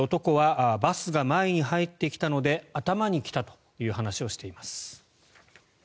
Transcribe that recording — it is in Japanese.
男はバスが前に入ってきたので頭に来たという話をしています。